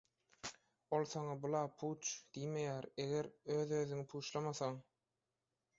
Ol saňa «Bu-la puç!» diýmeýär, eger özüňözüňi puçlamasaň.